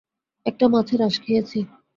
একটা মাছের আঁশ খেয়েছি।